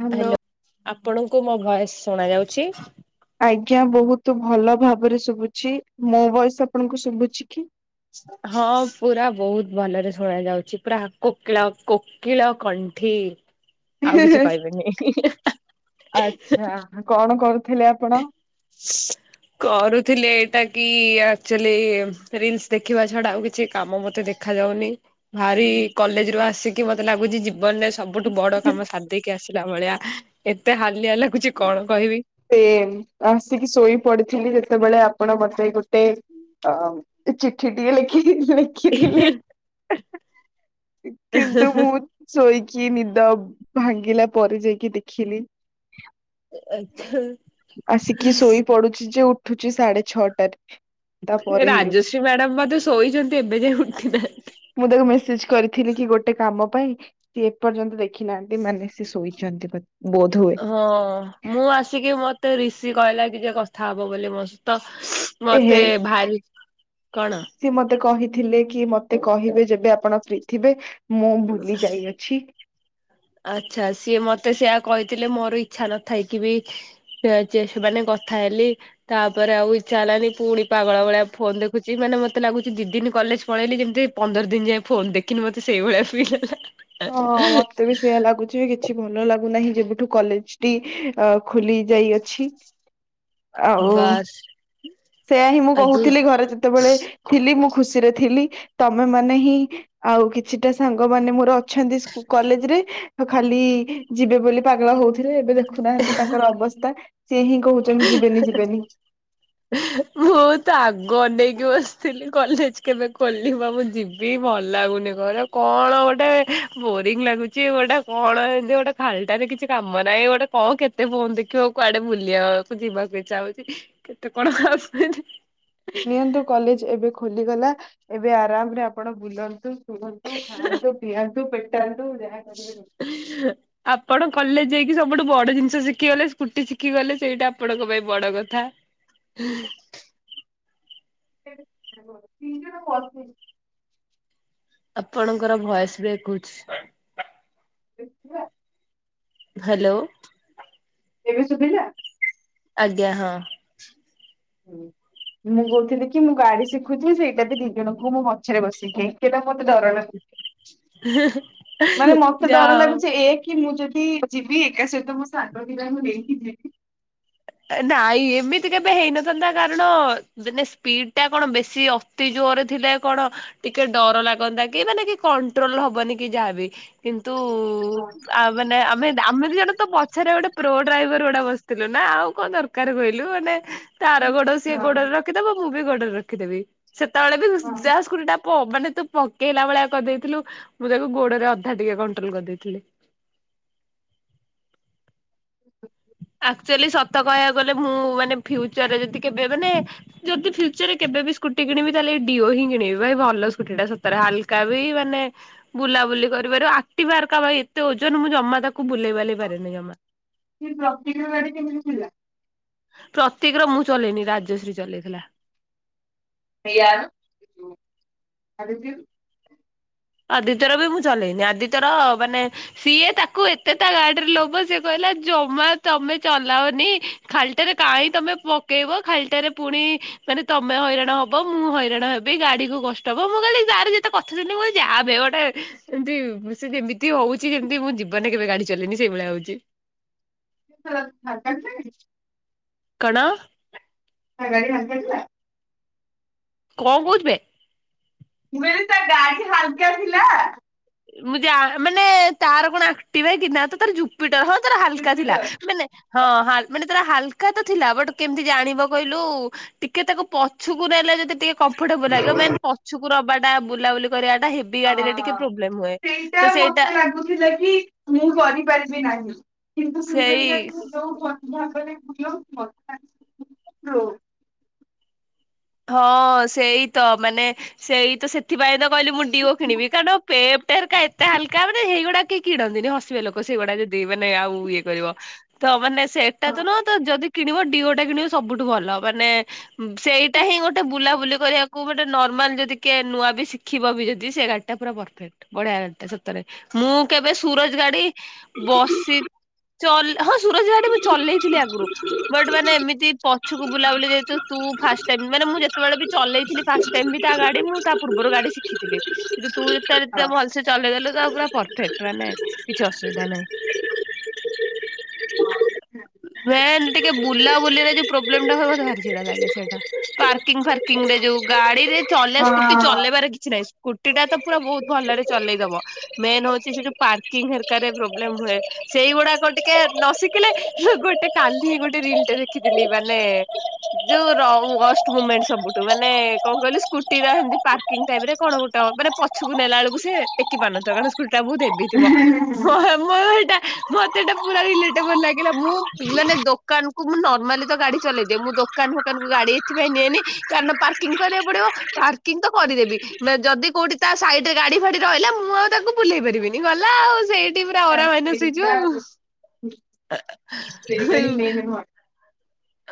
Hello. ଆପଣଙ୍କୁ ମୋ voice ଶୁଣ ଯାଉଛି? ଆଜ୍ଞା ବହୁତ ଭଲ ଭାବରେ ଶୁଭୁଛି ମୋ ଭୟସ ଆପଣଙ୍କୁ ଶୁଭୁଛି କି? ହଁ ପୁରା ବହୁତ ଭଲରେ ଶୁଣ ଯାଉଛି ପୁରା କୋକିଳ କୋକିଳ ଠିକ ଆଉ କିଛି ଆଚ୍ଛା କହିବେନି। କଣ କରୁଥିଲେ ଆପଣ? କରୁଥିଲେ ଟା କି ଆଚ ରିଲସ ଦେଖିବା ଛଡା ଆଉ କିଛି କାମ ମତେ ଦେଖା ଯାଉନି କଲେଜ ରୁ ଆସିକି ମତେ ଲାଗୁଛି ଜୀବନ ରେ ସବୁଠୁ ବଡ କାମ ସାଧକି ଆସିଲା ଭଳିଆ ଏତେ ହାଲିଆ ଲାଗୁଛି କଣ କହିବି। ସେ ଆସିକି ଶୋଇ ପଡିଥିଲି ଯେତେବେଳେ ଆପଣ ବତେ ଗୋଟେ ଅ ଚିଠି ଟିକେ ଲେଖି ଲେଖିଥିଲଥିଲି। କିନ୍ତୁ ମୁଁ ଶୋଇ କି ନିଦ ଭାଙ୍ଗିଲା ପରେ ଯାଇକି ଦେଖିଲି। ଆଛା। ଆସିକି ଶୋଇ ପଡୁଛି ଯେ ଉଠୁଛି ସାଢେ ଛଅଟାରେ। ତାପରେ ହେଇଯାଉଛି। ରାଜଶ୍ରୀ ମ୍ୟାଡାମ ମତେ ଶୋଇଛନ୍ତି ବୋଧେ ଏବେ ଯାଏ ଉଠିନାହାଁନ୍ତି। ମୁଁ ତାକୁ ମେସେଜ କରିଥିଲି କି ଗୋଟେ କାମ ପାଇଁ ସିଏ ଏପର୍ଯ୍ୟନ୍ତ ଦେଖି ନାହାନ୍ତି ମାନେ ସି ଶୋଇଛନ୍ତି। ବୋଧ ହୁଏ ହଁ ମୁଁ ଆସିକି ମତେ ରଋଷି କହିଲା କି ଯେ କଥା ହବ ବୋଲି ମୋ ସହିତ ଏହେ ମତେ ଭାରି କଣ? ଥିଲେ କି ମତେ କହିବେ ଯେବେ ଆପଣ ଫ୍ରି ଥିବେ ମୁଁ ଭୁଲି ଯାଇଅଛି। ଆଚ୍ଛା ସିଏ ମତେ ସେଆ କହିଥିଲେ ମୋର ଇଚ୍ଛା ନଥାଇକ ବିମାନେ କଥା ହେଲି, ତାପରେ ଆଉ ଇଛା ହେଲାନି ପୁଣି ପାଗଳ ଭଳିଆ ଫୋନ୍ ଦେଖୁଛି। ମାନେ ମତେ ଲାଗୁଛି ଦି ଦିନି କଲେଜ ପଳେଇଲି, ଯେମିତି ପନ୍ଦର ଦିନ ଯାଏଁ ଫୋନ୍ ଦେଖିନି! ମତେ ସେଇଭଳିଆ ଫିଲ୍ ହେଲା। ହା ଆ ଆ ଆ। ହଁ, ମତେ ବି ସି ସେଆ ଲାଗୁଛି, କିଛି ଭଲ ଲାଗୁନାହିଁ। ଯେବେଠୁ କଲେଜ ଟି ଅ ଖୋଲି ଯାଇଅଛି। [inaudible] ବାସ୍। ସେୟା ହିଁ, ମୁଁ କହୁଥିଲି। ଘରେ ଯେତେବେଳେ ଥିଲି ମୁଁ ଖୁସିରେ ଥିଲି। ତମେ ମାନେ ହିଁ, ଆଉ କିଛିଟା ସାଙ୍ଗ ମାନେ ମୋର ଅଛନ୍ତି କଲେଜରେ ଖାଲି-ଇ ଯିବେ ବୋଲି ପାଗଳ ହଉଥିଲେ। ଏବେ ଦେଖ ଦେଖୁନାହାଁନ୍ତି ତାଙ୍କର ଅବସ୍ଥା। ସିଏ ହିଁ କହୁଛନ୍ତି, ଯିବେନି ଆଜି ଯିବେନି। ମୁଁ, ତ ଆଗ ଅନେଇକି ବସିଥିଲି କଲେଜ କେବେ ଖୋଲିବ! ମୁଁ, ଯିବି ଭଲ ଲାଗୁନି। ଘରେ କଣ ଗୋଟେ ବୋରିଂ ଲାଗୁଛି। ଗୋଟେ କଣ ଏମତି ଗୋଟେ ଖାଲଟାରେ କିଛି କାମ ନାହିଁ। ଏଇ ଗୋଟେ କଣ କେତେ ଫୋନ୍ ଦେଖିବ? କୁଆଡେ ବୁଲିଅ ଯିବାକୁ ଇଚ୍ଛା ହଉଛି। କେତେ କଣ ଖସ୍ କି [unintelligible] ନିଅନ୍ତୁ। କଲେଜ ଏବେ ଖୋଲିଗଲା ଏବେ ଆରାମରେ ଆପଣ ବୁଲନ୍ତୁ। ସୁୁଅନ୍ତୁ, ଖାନ୍ତୁ, ପିଆନ୍ତୁ, ପେଟାନ୍ତ ଆପ୍ ପଣ କଲେଜ ଯାଇକି ସବୁଠୁ ବଡ ଜିନିଷ ଶିଖିଗଲେ, ସ୍କୁଟି ଶିଖି ଗଲେ, ସେଇଟା ଆପଣଙ୍କ ପାଇଁ ବଡ କଥା। [unintelligible] ଆପଣଙ୍କର ଭଏସ୍ ବ୍ରେକ୍ ହଉଛି। [inaudible] ହ୍ୟାଲୋ! ଏବେ ସୁୁଭିଲା? ଆଜ୍ଞା ହଁ। ହୁଁ। ମୁଁ କହୁଥିଲି କି, ମୁଁ ଗାଡି ଶିଖୁଚି ସେଇଟା ବି, ଦି ଜଣଙ୍କୁ ମୁଁ ପଛରେ ବସେଇକି। କେନା ମତେ ଡରନା! ମାନେ ମତେ ଯାହା ଡର ହଉ ଲାଗୁଛି, ଏକ୍ କି ମୁଁ ଯଦି ଯିବି ଏକା ସହିତ ମୋ ସାଙ୍ଗ ଦିଟାଙ୍କୁ ନେଇକି ଯିବି। ନାଇଁ ଏମିତି କେବେ ହେଇନଥାନ୍ତା, କାରଣ ଦିନେ ସ୍ପିଡ ଟା କଣ ବେଶୀ ଅତିଜ ଓରେ ଥିଲା କଣ ଟିକେ ଡର ଲାଗନ୍ତା! କି ମାନେ କି କଣ୍ଟ୍ରୋଲ ହବନି କି ଯାହାବି, କିନ୍ ତୁ-ଉ ହଁ ଆ ମାନେ ଆମେ, ଆମେ ଦି ଜଣ ତ ପଛରେ ଗୋଟେ ପ୍ରୋ ଡ୍ରାଇଭର ଉଡା ବସ୍ ଥିଲୁ ନା। ଆଉ କଣ ଦରକାର କହିଲୁ, ମାନେ ତାର ଗୋଡ ସିଏ ହଁ ଗୋଡ ରଖିଦବ। ମୁଁ ବି ଗଡରେ ରଖିଦେବି। ସେତେବେଳେ ବି ହଁ ଯାହା ସ୍କୁଟିଟା ପ ମାନେ ତୁ ପକେଇଲା ଭଳିଆ କରିଦେଇଥିଲୁ, ମୁଁ ତାକୁ ଗୋଡରେ ଅଧା ଟିକେ କଣ୍ଟ୍ରୋଲ କରିଦେଇଥିଲି। ଆକ୍ଚୁଆଲି ସତ କହିବାକୁ ଗଲେ, ମୁଁ ମାନେ ଫ୍ୟୁଚରରେ ଯଦି କେବେ ମାନେ ଯଦି, ଫ୍ୟୁଚରରେ କେବେବି କୁଟି କିଣିବି, ତାହେଲେ ଡିଓ ହିଁ କିଣିବି। ଭାଇ ଭଲ ସ୍କୁଟି ଟା। ସତରେ ହାଲକା ବି ମାନେ ବୁଲାବୁଲି କ [unintelligible] ଏକ୍ଟିଭା ଆରକା ବାଇ ଏତେ ଓଜନ! ମୁଁ ଜମା ତାକୁ ବୁଲେଇ ବାଲେଇ ପାରେନି ଜମା। ତି ଓ ଗାଡି କେମିତି ଥିଲା? ପ୍ରତିକ୍ ର, ମୁଁ ଚଲେଇନି। ରାଜଶ୍ରୀ ଚଲେଇଥିଲା। ପିଆମ୍ ଆଦିତ୍ୟୁ। ଆଦିତ୍ୟର ବି ମୁଁ ଚଲେଇନି। ଆଦିତ୍ୟର ମାନେ ସିଏ ତାକୁ ଏତେ ତା ଗାଡିରେ ଲୋବ ସିଏ କହି ଲା ଜମା ତମେ ଚଲାଅନି ଖାଲିଟାରେ କାହିଁ, ତମେ ପକେଇବ ଖାଲିଟାରେ ପୁଣି ମାନେ ତମେ ହଇରାଣ ହବ। ମୁଁ ହଇରାଣ ହେବି। ଗାଡି କୁ କଷ୍ଟ ହବ। ମୁଁ କହିଲି ତାର ଯେତେ କଥା ଶୁଣିଲି ମୁଁ ଯାବେ ଗୋଟେ! ଏମିତି ସେ ଯେମିତି ହଉଛି, ଯେମତି ମୁଁ ଜୀବନରେ କେବେ ଗାଡି ଚଲେଇନି, ସେଇଭଳିଆ ହଉଛି। ହଁ ଫାଙ୍କା ଥିଲ କି? କଣ? ତା ଗାଡି ଫାଙ୍କା ଥିଲା? କଣ କହୁଚୁବେ? ବେ ତା ଗାଡି ହାଲକା ଥିଲା। ମୁଁ ଯା ମାନେ ତାର କଣ ଆକ୍ଟିବା କି ନା ତ ତାର ଜୁପିଟର ହଁ ତାର ହାଲକା ଥିଲା ଜୁପିଟର ମାନେ ହଁ ହା ମାନେ ତାର ହାଲ କା ଥିଲା ବଟ୍ କେମିତି ଜାଣିବ କହିଲୁ ଟିକେ ତାକୁ ପଛକୁ ନେଲେ ଯଦି ଟିକେ କମ୍ଫର୍ଟେବଲ ଲାଗିବ ମାନ୍ ପଛକୁ ନବା ଟା ବୁଲାବୁଲି କରିବାଟା ହେବି ଗାଡି ରେ ଟିକେ ହଁ। ପ୍ରୋ ସେଇଟା ମତେ ଲାଗୁଥିଲା କି ମୁଁ କରିପାରିବି ନାହିଁ। କିନ୍ତୁ ସୁନ୍ଦରୀ ସେଇ ଜାତିକୁ ଯଉ। [unintelligible] [unintelligible] ଯୋଉ। ହଁ ସେଇ ତ ମାନେ ସେଇ ତ ସେଥିପାଇଁ ତ କହିଲି ମୁଁ ଡିଓ କିଣିବି କାରଣ ପେ ଟେରାକା ଏତେ ହାଲକା ମାନେ ହେଇଗୁଡ଼ା କେହି କିଣନ୍ତିନି ହସିବେ ଲୋକ ସେଇଗୁଡା ଯଦି ମାନେ ଆଉ ଏ କରିବ। ତ ମାନେ ସେଟା ତ ନୁହତ ଯଦି କିଣିବ ଡିଓଟା କିଣିବ ସବୁଠୁ ଭଲ ମାନେ ସେଇ ଏଟା ହିଁ ଗୋଟେ ବୁଲାବୁଲି କରିବାକୁ ମାନେ ଗୋଟେ ନର୍ମାଲ ଯଦି କିଏ ନୂଆ ବି ଶିଖିବ ବି ଯଦି ସେ ଗାଡ଼ିଟା ପୁରା ପରଫେକ୍ଟ୍। ବଢିଆ ଗାଡ଼ିଟା ସତରେ ମୁଁ କେବେ ସୁରଜ ଗାଡି ବସି ଚଲ୍ ହଁ ସୁରଜ ଗାଡି ମୁ ଚଲେଇଥିଲି ଆଗରୁ। ବଟ୍ ମାନେ ଏମିତି ପଛକୁ ବୁଲାବୁଲି ଯେହେତୁ ତୁ ଫାଷ୍ଟ ଟାଇମ୍ ମାନେ ମୁଁ ଯେତେବେଳେ ବି ଚଲେଇଥିଲି ଫାଷ୍ଟ ଟାଇମ୍ ବି ତା ଗାଡି ମୁଁ ତା ପୂର୍ବରୁ ଗାଡି ଶିଖିଥିଲି କିନ୍ତୁ ତୁ ରେତେ ଭଲ ସେ ଚଲେଇଦଲୁ ପୁରା ପରଫେକ୍ଟ୍ ମାନେ କିଛି ଅସୁବିଧା ନାହିଁ। ହଁ। ଟିକେ ବୁଲାବୁଲିରେ ଯୋଉ ପ୍ରୋବ୍ଲେମ ଟା ହୁ ମୋତେ ଭାରିଛିଡା ଲାଗେ ସେଇଟା ପାର୍କିଂ ଫାର୍କିଂ ରେ ଯୋଉ ଗାଡିରେ ଚଲେଇ ସ୍କୁଟି ଚଲେଇବାର କିଛି ନାହିଁ। ସ୍କୁଟି ଟା ତ ପୁରା ବହୁତ ଭଲରେ ଚଲେଇଦବ ମେନ୍ ହଉଚଛି ସେ ଯୋ ପାର୍କିଂର ପ୍ରୋବ୍ଲେମ ହୁଏ। ସେଇଗୁଡାକ ଟିକେ ନ ଶିଖିଲେ ଗୋଟେ କାଲି ଗୋଟେ ରିଲ ଟେ ଦେଖିଥିଲି ମାନେ ଯୋଉ ରହୁ। ଫଷ୍ଟ ମୁମେନ୍ଟ ସବୁଠୁ ମାନେ କଣ କହିଲି ସ୍କୁଟିମତି ପାର୍କିଂ ଟାଇମ୍ ରେ କଣ ଗୋଟେ ମାନେ ପଛକୁ ନେଲା। ବେଳକୁ ସେ ଟେକି ପାରୁନଥିବ କାର ସ୍କୁଟି ଟା ବହୁତ ହେଭିଥିବ [unintelligible] ମତେ ଏଟା ପୁରା ରିଲେଟେଵୁଲ୍ ଲାଗିଲା ମୁଁ ମାନେ ଦୋକାନ କୁ ମୁ ନର୍ମାଲି ତ ଗାଡି ଚଲେଇ ଦିଏ। ଦୋକାନ ଫୋକାନ କୁ ଗାଡି ସେଥିପାଇଁ ନିଏନି କାରଣ ପାର୍କିଂ କରିବାକୁ ପଡିବ ପାର୍କିଂ ତ କରିଦେବି ନା ଯଦି କୋଉଠି ତା ସାଇଡରେ ଗାଡି ଫାଡି ରହିଲା ମୁଁ ଆଉ ତାକୁ ବୁଲେଇ ପାରିବିନି ଗଲା ଆଉ ସେଇଠି ସେଇଆ ଅରାା ମାଇନାସ୍ ହେଇଯିବ ସେଇଆ ଆଉ ସେଇଟା ହିଁ ମେନ୍ ମୋ [unintelligible]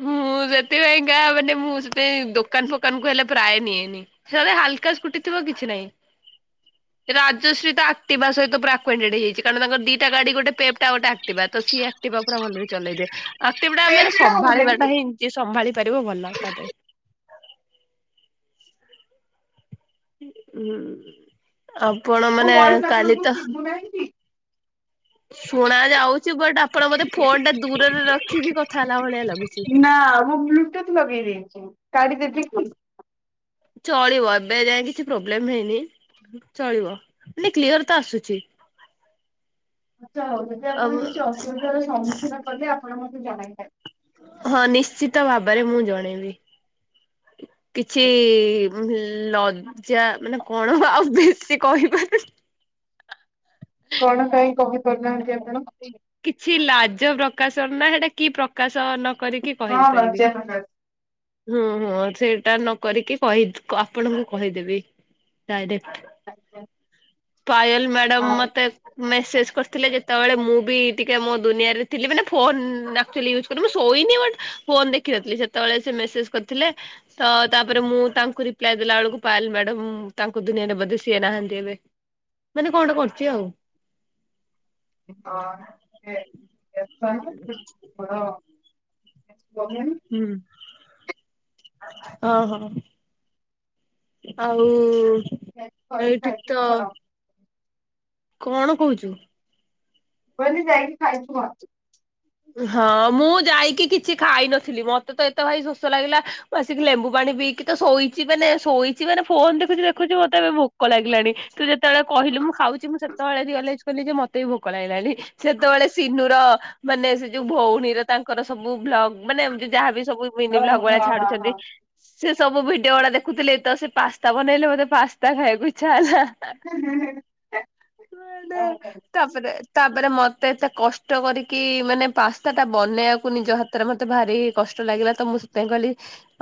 ମୁଁ ସେଥିପାଇଁକା ମାନେ ମୁଁ ସେ ଦୋକାନ୍ ଫୋକାନ୍ କୁ ହେଲେ ପ୍ରାୟ ନିଏନି ହାଲକା ସ୍କୁୁଟି ଥିବ କିଛି ନାଇଁ [inaudible] ରାଜଶ୍ରୀ ତା ଆକ୍ଟିଭା ସହିତ ପୁରା ଆକୁଏଣ୍ଟେଡ୍ ହେଇଯାଇଛି। କାରଣ ତାଙ୍କର ଦୁଇଟା ଗାଡ଼ି ଗୋଟେ ପେପ୍ଟ, ଆଉ ଗୋଟେ ଆକ୍ଟିଭା। ତ ସିଏ [unintelligible] ପୁରା ଭଲରେ ଚଲେଇଦିଏ ଆକ୍ଟିଭା [unintelligible] ସମ୍ଭାଳିବା ଟା ହିଁ ଯିଏ ସମ୍ଭାଳି ପାରିବ ଭଲ ତା ପାଇଁ ହୁଁ ଆପଣ ମାନେ ଭଏସ୍ କାଲି ଆପଣଙ୍କୁ ତ ଶୁଭୁନାହିଁ କି? ଶୁଣା ଯାଉଛି ବଟ୍ ଆପଣ ବୋଧେ ଫୋନ ଟା ଦୂରରେ ରଖିକି କଥା ହେଲା ଭଳିଆ ଲାଗୁଛି। ନା ମୁଁ ବ୍ଲୁଟୁଥ୍ ଲଗେଇ ଦେଇେଛି କାଢ଼ି ଦେବିକି? ଚଳିବ ଏବେ ଯାଏ କିଛି ପ୍ରୋବ୍ଲେମ ହେଇନି। ଚଳିବ ମାନେ କ୍ଲିୟର ତ ଆସୁଛି? [inaudible] ଆଛା ହଉ ଯଦି ଆଉ ଆପଣ କିଛି ଅସୁବିଧାର ସମ୍ମୁଖୀନ କଲେ ଆପଣ ମତେ ଜଣାଇବେ। ହଁ ନିଶ୍ଚିତ ଭାବରେ ମୁଁ ଜଣେଇବି। କିଛି ଲ ପୂଜା ମାନେ କଣ ଆଉ ବେଶୀ କହିପାରୁ କଣ କାହିଁ କହିପାରୁନାହାନ୍ତି ଆମେ କିଛି ଲାଜ ପ୍ରକାଶନ ନା ସେଟା କି ପ୍ରକାଶ ତା ନ କରିକି ହଁ କହିପାରିବି ଲଜ୍ୟା ହୁଁ ହୁଁ ସେଇଟା ନକରିକି କହି ଆପଣଙ୍କୁ କହିଦେବି ଡାଇରେକ୍ଟ। ଆଜ୍ଞା। ପାୟଲ ମ୍ୟାଡାମ ମତେ ମେସେଜ କରିଥିଲେ ଯେତେବେଳେ ମୁଁ ବି ଟିକେ ମୋ ଦୁନିଆରେ ଥିଲି। ମାନେ ଫୋନ୍ ଆକଚୁଆଲି ମୁଁ ଶୋଇନି ବଟ୍ ଫୋନ ଦେଖିନଥିଲି ସେତେବେଳେ ସେ ମେସେଜ କରିଥିଲେ। ତ ତାପରେ ମୁଁ ତାଙ୍କୁ ରିପ୍ଲାଏ ଦେଲା ବେଳକୁ ପାୟଲ ମ୍ୟାଡ଼ାମ ତାଙ୍କୁ ଦୁନିଆରେ ବଧେ ସିଏ ନାହାନ୍ତି ଏବେ। ମାନେ କଣ ଗୋଟେ କରୁଛି ଆଉ। ହଁ। [unintelligible] [unintelligible] ହୁଁ ଓ ହୋ। ଆଉ ଏଇଠି ତ କଣ କହୁଚୁ? କହିଲି ଯାଇକି ଖାଇଚୁ କଣ? ହଁ ମୁଁ ଯାଇକି କିଛି ଖାଇନଥିଲି। ମତେ ତ ଏତେ ଭାଇ ଶୋଷ ଲାଗିଲା ମୁଁ ଆସିକି ଲେମ୍ବୁ ପାଣି ଣି ପିଇକି ତ ଶୋଇଛି ମାନେ ଶୋଇଛି ମାନେ ଫୋନ ଦେଖୁଛି ଦେଖୁଛି ମତେ ଏବେ ଭୋକ ଲାଗିଲାଣି, ତୁ ଯେତେବେଳେ କହି ଥିଲୁ ମୁଁ ଖାଉଛି ମୁଁ ସେତେବେଳେ ରିଅଲାଇଜ୍ କଲି ଯେ ମତେ ବି ଭୋକ ଲାଗିଲାଣି। ସେତେବେଳେ ସିନୁର ମାନେ ସେ ଯୋଉ ଭଉଣୀର ତାଙ୍କର ସବୁ ଭ୍ଲଗ ମାନେ ଏମିତି ଯାହା ବି ସବୁ ମିନିି ବ୍ଲଗ୍ ଭଳିଆ ଛାଡୁଛନ୍ତି ସେ ସବୁ ଭିଡିଓ ଗୁଡା ଦେଖୁଥିଲେ ତ ସେ ପାସ୍ତା ବନେଇଲେ ମୋତେ ପାସ୍ତା ଖାଇବାକୁ ଇଚ୍ଛା [unintelligible] ତାପରେ ତାପରେ ମତେ ଏତେ କଷ୍ଟ କରି କି ମାନେ ପାସ୍ତା ଟା ବନେଇବାକୁ ନିଜ ହାତରେ ମତେ ଭାରି କଷ୍ଟ ଲାଗିଲା ତ ମୁଁ ସେଥିପାଇଁ କହିଲି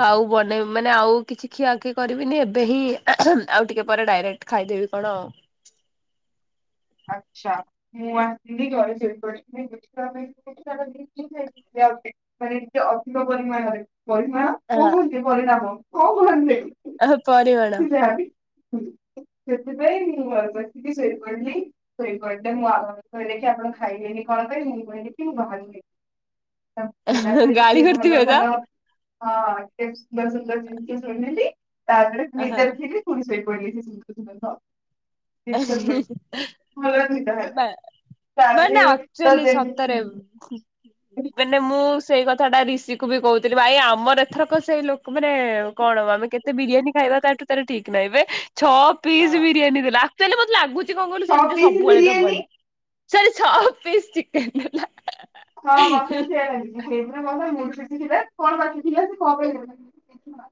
ଆଉ ବନେଇ ମାନେ ଆଉ କିଛି ଖିଆଖିଆ କରିବିନି ଏବେ ହିଁ ଆଉ ଟିକେ ପରେ ଡାଇରେକ୍ଟ ଖାଇଦେବି କଣ। ହଁ। [inaudible] ଆଚ୍ଛା ମୁଁ ଆସିଥିଲି ଘରେ ଶୋଇପଡିଥିଲି। [unintelligible] ମାନେ ଟେ ଅଧିକ ପରିମାଣରେ ପରିମାଣ କହୁଛି ପରିଣାମ କଣ କୁହନ୍ତି ବେ। ଆ ପରିମାଣ। ସେଥିପାଇଁ ମୁଁ ଦେଖିକି ଶୋଇପଡ଼ିଲି। ଶୋଇପଡିଲେ ମୁଁ ଆଗ କହି ଦେଖି ଆପଣ ଖାଇବେନି କଣ ପାଇଁ ମୁଁ କହିଲି କି ମୁଁ ବାହାରୁ ତାପରେ ଗାଳି ଟିକେ ଭଲ କରିଥିବେ ତ ଭଲ ହଁ ଟେ ସୁନ୍ଦର ସୁନ୍ଦର ଜିନିଷ ଶୁଣିଲି ଟିକେ ତାପରେ [unintelligible] ପୁଣି ଶୋଇ ପଡିଲି। [unintelligible] ଜିନିଷ [unintelligible] [unintelligible] ବା ମାନେ ତାପରେ ତ ଆକ୍ଚୁଲି ସତରେ ଯେମିତି ହଁ ମାନେ ମୁଁ ସେଇ କଥା ଟା ରିଷି କୁ ବି କହୁଥିଲି ଭାଇ ଆମର ଏଥରକ ସେଇ ଲୋକ ମାନେ କଣ ଆମେ କେତେ ବିରିୟାନୀ ଖାଇ ଖାଇବା ତାଠୁ ତାର ଠିକ ନାହିଁବେ। ଛଅ ପିସ୍ ବିରିୟାନୀ ଦେଲା ଆକ୍ଟୁଲି ମତେ ଲାଗୁଛି କଣ କହିଲୁ ଛଅ ସେମିତି ପିସ୍ ସବୁବେଳେ ବିରିୟାନୀ ତବନି। ସରି ଛଅ ପିସ୍ ଚିକେନ ଦେଲା। ହଁ ମତେ ସେଇଆ ଲାଗୁଚି। ସେଇଦିନ। [unintelligible]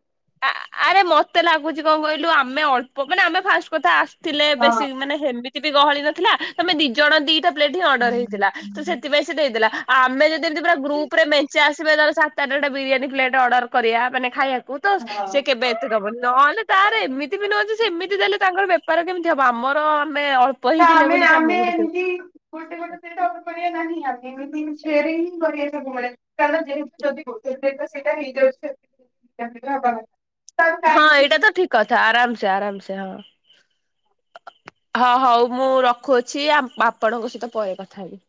ଆରେ ମତେ ଲାଗୁଛି କଣ କହିଲୁ ଆମେ ଅଳ୍ପ ମାନେ ଆମେ ଫାଷ୍ଟ କଥା ଆସ ଥିଲେ ବେଶୀ ହଁ। ମାନେ ହେମିତି ବି ଗହଳି ନଥିଲା ତମେ ଦି ଜଣ ଦିଟା ପ୍ଲେଟ୍ ହିଁ ଅର୍ଡର ହେଇଥିଲା। ତ ସେଥିପାଇଁ ସେ ଦେଇଦେଲା ଆମେ ଯଦି ଏମିତି ପୁରା ଗ୍ରୁପ ରେ ମେଞ୍ଚେ ଆସି ସାତ ଆଠଟା ବିରିୟାନୀ ପ୍ଲେଟ ଅର୍ଡର କରିବା ମାନେ ଖାଇବାକୁ ତ ହଁ। ସେ କେବେ ଏତେ ଦବନି। ନହେଲେ ତାର ଏମିତି ବି ନୁହେଁ ଯେ ସେ ଏମିତି ଦେଲେ ତାଙ୍କର ବେପାର କେମିତି ହବ? ଆମର ଅଳ୍ପ ହିଁ ତ ଥିଲେ ଆମେ ବୋଲି ସେ ଆମେ ଆମକୁ ଟିକେ ଏମିତି ଗୋଟେ ଗୋଟେ ପ୍ଲେଟ ଅର୍ଡର କରିବା ନାହିଁ, ଆମେ ଏମତି ସେୟାର ହିଁ କରିବା ସବୁବେଳେ। କାରଣ ଯେହେତୁ ଯଦି ଗୋଟେ ପ୍ଲେଟ ତ ସେଇଟା ହେଇଯାଉଛି ତେବେ ା ରବା [inaudible] ହଁ ଏଇଟା ତ ଠିକ କଥା ଆରାମ ସେେ ଆରାମ ସେ ହଁ। ହଁ ହଉ ମୁଁ ରଖୁଅଛି ଆପଣଙ୍କ ସହିତ ପରେ କଥା ହେବି।